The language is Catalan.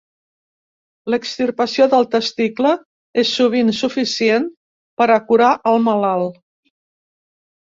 L'extirpació del testicle és sovint suficient per a curar al malalt.